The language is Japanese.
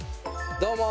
どうも！